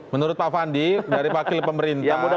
menurut pak fandi dari pakil pemerintah sudah ada jaminan